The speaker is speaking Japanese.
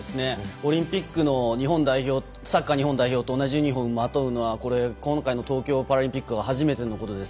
オリンピックの日本代表サッカー日本代表と同じユニホームをまとうのはこれ今回の東京パラリンピックが初めてのことです。